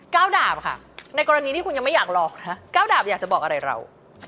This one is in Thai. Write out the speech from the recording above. เก้าดาบค่ะในกรณีที่คุณยังไม่อยากหลอกนะเก้าดาบอยากจะบอกอะไรเรา